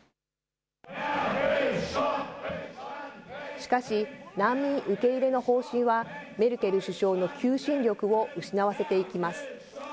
しかし、難民受け入れの方針は、メルケル首相の求心力を失わせていきます。